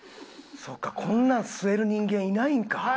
そうかこんなん吸える人間いないんか。